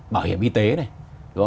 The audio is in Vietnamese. bảo hiểm y tế này